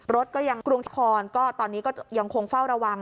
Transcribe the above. รถก็ยังกรุงที่คอนก็ตอนนี้ก็ยังคงเฝ้าระวัง